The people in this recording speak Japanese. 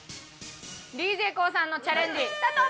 ＤＪＫＯＯさんのチャレンジスタート！